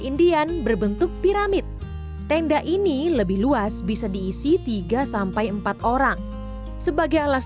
indian berbentuk piramid tenda ini lebih luas bisa diisi tiga empat orang sebagai alas